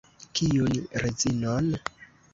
Kiun rezinon?